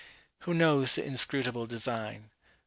Who knows the inscrutable design?